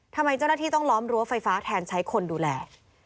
ทำไมเจ้าหน้าที่ต้องล้อมรั้วไฟฟ้าแทนใช้คนดูแล